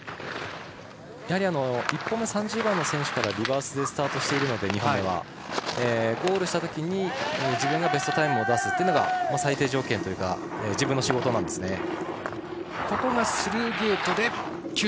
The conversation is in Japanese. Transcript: １本目３０番の選手からリバースでスタートしているのでゴールしたときに自分がベストタイムを出すのが最低条件というか自分の仕事なんですね。